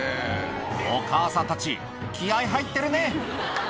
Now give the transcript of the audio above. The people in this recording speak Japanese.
お母さんたち、気合い入ってるね。